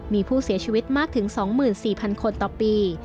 มีผู้เสียชีวิตมากถึง๒๔๐๐คนต่อปี